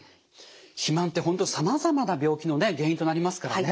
肥満って本当さまざまな病気のね原因となりますからね。